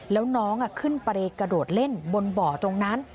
แล้วน้องขึ้นไปกระโดดเล่นบนบ่อตรงนั้น